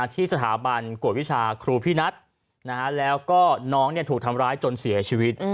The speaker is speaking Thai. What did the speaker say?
ที่สถาบันกวดวิชาครูพี่นัทแล้วก็น้องถูกทำร้ายจนเสียชีวิต